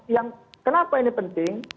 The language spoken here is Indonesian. yang kenapa ini penting